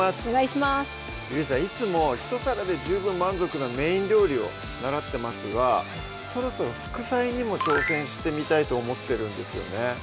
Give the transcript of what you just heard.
いつも１皿で十分満足なメイン料理を習ってますがそろそろ副菜にも挑戦してみたいと思ってるんですよね